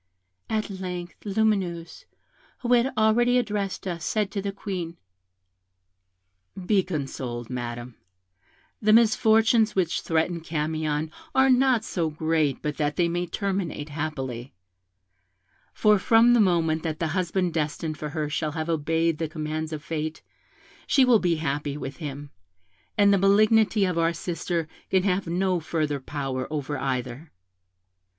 At length Lumineuse, who had already addressed us, said to the Queen, 'Be consoled, Madam; the misfortunes which threaten Camion are not so great but that they may terminate happily; for from the moment that the husband destined for her shall have obeyed the commands of fate, she will be happy with him, and the malignity of our sister can have no further power over either.